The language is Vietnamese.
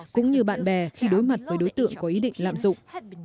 cũng như bạn bè khi đối mặt với đối tượng có ý định lạm dụng